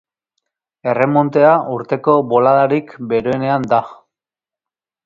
Erremontea urteko boladarik beroenean da.